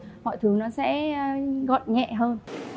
thì mọi thứ sẽ gọn nhẹ hơn